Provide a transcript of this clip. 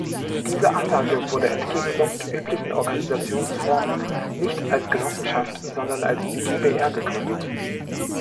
Diese Anlage wurde entgegen sonst üblichen Organisationsform nicht als Genossenschaft, sondern als GbR gegründet.